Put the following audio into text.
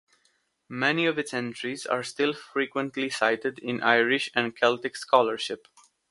Many of its entries are still frequently cited in Irish and Celtic scholarship.